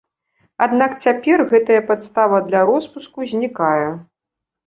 Аднак цяпер гэтая падстава для роспуску знікае.